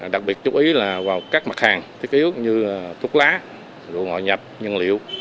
đặc biệt chú ý là vào các mặt hàng thiết yếu như thuốc lá rượu ngọt nhập nhân liệu